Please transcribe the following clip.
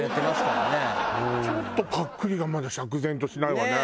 ちょっとぱっくりがまだ釈然としないわね。